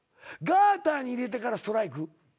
ガターに入れてからストライク？